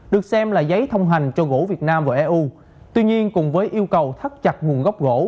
được xem là giấy thông hành cho gỗ việt nam và eu tuy nhiên cùng với yêu cầu thắt chặt nguồn gốc gỗ